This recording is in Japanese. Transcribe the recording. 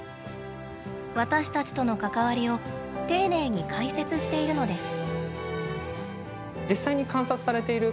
私たちとの関わりを丁寧に解説しているのです。